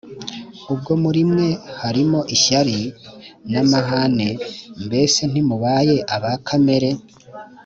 Ubwo muri mwe harimo ishyari, n’amahane, mbese ntimubaye aba kamere